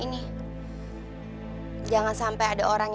aendah tuh dia pisah duit pang rosa